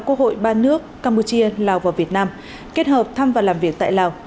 quốc hội ba nước campuchia lào và việt nam kết hợp thăm và làm việc tại lào